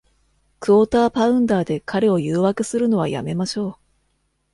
クォーターパウンダーで彼を誘惑するのはやめましょう。